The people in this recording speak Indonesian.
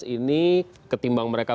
sembilan belas ini ketimbang mereka